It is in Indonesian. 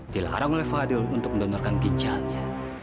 dilarang oleh fadil untuk mendonorkan ginjalnya